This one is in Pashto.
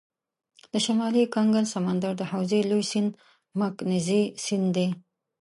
د شمالي کنګل سمندر د حوزې لوی سیند مکنزي سیند دی.